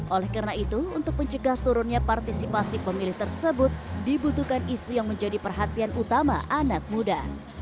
oleh karena itu untuk mencegah turunnya partisipasi pemilih tersebut dibutuhkan isu yang menjadi perhatian utama anak muda